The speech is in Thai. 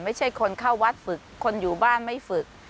ไม่ใช่คนเข้าวัดฝึกคนอยู่บ้านไม่ฝึก